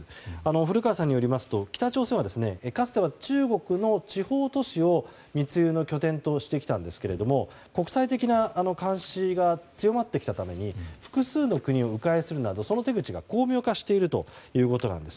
古川さんによりますと、北朝鮮はかつては中国の地方都市を密輸の拠点としてきたんですが国際的な監視が強まってきたために複数の国を迂回するなどその手口が巧妙化しているということなんです。